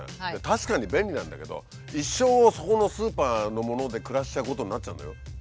確かに便利なんだけど一生そこのスーパーのもので暮らしちゃうことになっちゃうのよ。